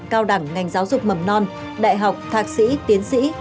cao đẳng ngành giáo dục mầm non đại học thạc sĩ tiến sĩ